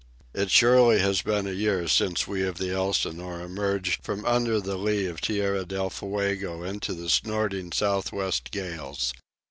It surely has been a year since we of the Elsinore emerged from under the lee of Tierra Del Fuego into the snorting south west gales.